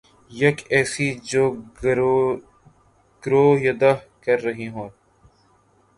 یک ایسی جو گرویدہ کر رہی ہے